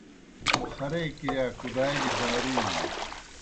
خرے کِرِیا کُدالیْ دارُونیْ